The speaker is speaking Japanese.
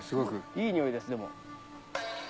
いい匂いですでも。